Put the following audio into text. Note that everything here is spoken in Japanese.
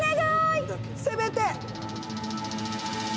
せめて。